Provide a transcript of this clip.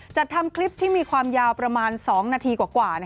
จัดทำคลิปที่มีความยาวประมาณ๒นาทีกว่า